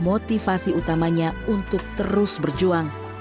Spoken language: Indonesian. setelah berjalan kemudian dia menemukan kekuatan untuk berjuang